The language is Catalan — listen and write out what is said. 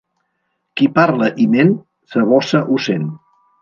Qui parla i ment, sa bossa ho sent.